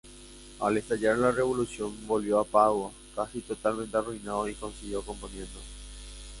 Al estallar la Revolución, volvió a Padua, casi totalmente arruinado, y siguió componiendo.